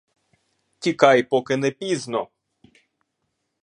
Тікай, поки не пізно!